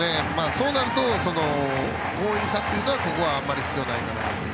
そうなると強引さというのはあまり必要ないかなと。